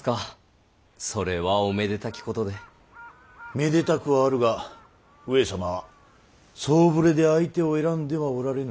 めでたくはあるが上様は総触れで相手を選んではおられぬ。